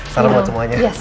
salam buat semuanya